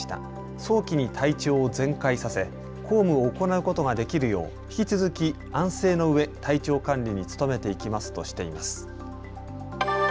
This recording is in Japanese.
早期に体調を全快させ公務を行うことができるよう引き続き安静のうえ、体調管理に努めていきますとしています。